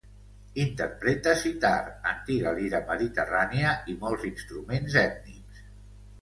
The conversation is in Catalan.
Interpreta sitar, antiga lira mediterrània i molts instruments ètnics.